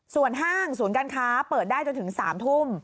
ส่วนห้างศูนย์การค้าเปิดได้จนถึง๓ทุ่ม